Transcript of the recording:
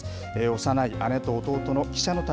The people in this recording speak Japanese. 幼い姉と弟の汽車の旅。